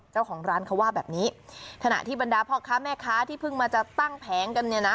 เจ้าของร้านเขาว่าแบบนี้ขณะที่บรรดาพ่อค้าแม่ค้าที่เพิ่งมาจะตั้งแผงกันเนี่ยนะ